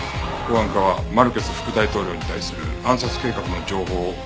公安課はマルケス副大統領に対する暗殺計画の情報を入手しています。